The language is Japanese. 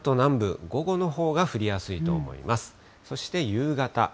そして夕方。